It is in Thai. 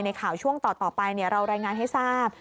ข่าวช่วงต่อไปเรารายงานให้ทราบ